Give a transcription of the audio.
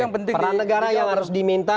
peran negara yang harus diminta